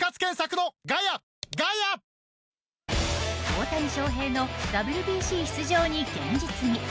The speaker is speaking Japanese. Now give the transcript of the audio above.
大谷翔平選手のＷＢＣ出場に現実味。